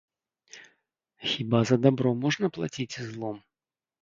Хіба за дабро можна плаціць злом?